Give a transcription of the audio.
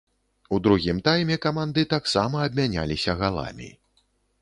У другім тайме каманды таксама абмяняліся галамі.